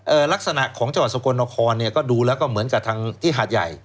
ลักษณะของจังหวัดสกลนครเนี่ยก็ดูแล้วก็เหมือนกับทางที่หาดใหญ่